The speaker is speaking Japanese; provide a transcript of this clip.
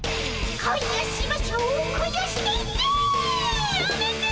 「恋をしましょう恋をして」やめて！